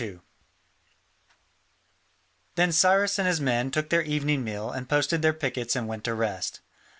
2] Then Cyrus and his men took their evening meal and posted their pickets and went to rest.